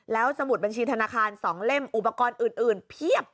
แล้วสมุดบัญชีธนาคาร๒เล่มอุปกรณ์อื่นเพียบ